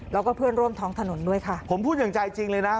แล้วก็เพื่อนร่วมท้องถนนด้วยค่ะผมพูดอย่างใจจริงเลยนะ